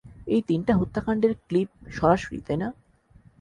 এই তিনটা হত্যাকাণ্ডের ক্লিপ-- সরাসরি, তাই না?